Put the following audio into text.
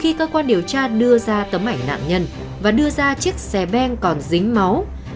khi cơ quan điều tra đưa ra tấm ảnh nạn nhân và đưa ra chiếc xe ben còn dính máu